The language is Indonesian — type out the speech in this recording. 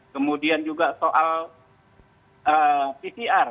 kemudian juga soal pcr